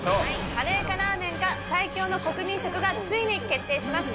カレーかラーメンか最強の国民食がついに決定します。